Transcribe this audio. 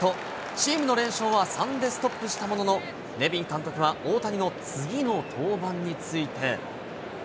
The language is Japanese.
チームの連勝は３でストップしたものの、ネビン監督は大谷の次の登板について。